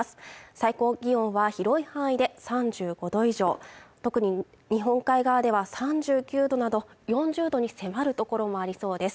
最高気温は広い範囲で３５度以上特に日本海側では３９度など４０度に迫る所もありそうです